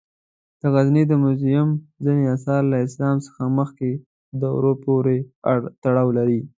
د غزني د موزیم ځینې آثار له اسلام څخه مخکې دورو پورې تړاو لري.